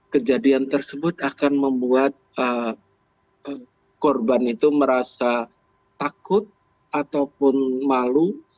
kejadian tersebut akan membuat korban itu merasa takut ataupun malu